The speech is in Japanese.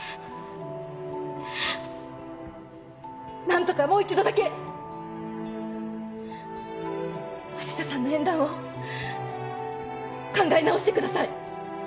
何とかもう一度だけ有沙さんの縁談を考え直してください。